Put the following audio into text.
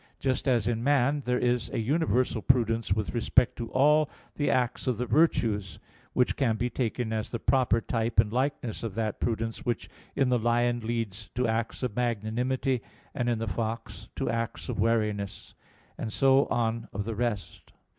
Just as in man, there is a universal prudence with respect to all the acts of the virtues; which can be taken as the proper type and likeness of that prudence which in the lion leads to acts of magnanimity, and in the fox to acts of wariness; and so on of the rest.